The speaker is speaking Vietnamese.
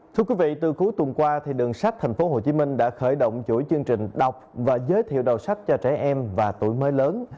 thưa quý vị từ cuối tuần qua đường sách tp hcm đã khởi động chuỗi chương trình đọc và giới thiệu đầu sách cho trẻ em và tuổi mới lớn